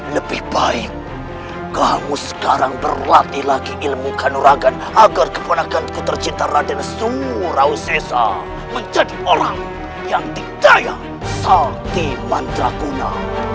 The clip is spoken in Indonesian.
lebih baik kamu sekarang berlatih lagi ilmu kanuragan agar keponakan kutercinta raden surau sesa menjadi orang yang dikaya sakti mandraguna